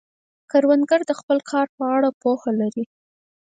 کروندګر د خپل کار په اړه پوهه لري